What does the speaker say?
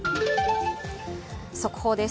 速報です。